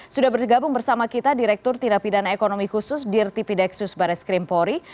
sudah bergabung bersama kita direktur tidak pidana ekonomi khusus dirtipidexus barres krimpori